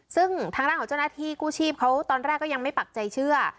ซึ่งทางด้านของเจ้าหน้าที่กู้ชีพเขาตอนแรกก็ยังไม่ปักใจเชื่อ